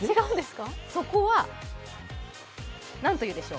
そこは何というでしょう。